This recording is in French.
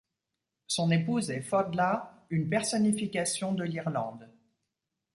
Son épouse est Fódla, une personnification de l’Irlande.